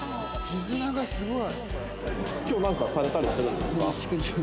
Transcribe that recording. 絆がすごい。